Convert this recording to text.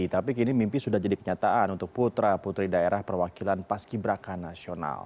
tapi kini mimpi sudah jadi kenyataan untuk putra putri daerah perwakilan paski braka nasional